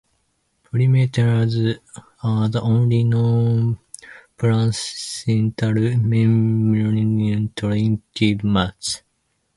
Primates are the only known placental mammalian trichromats.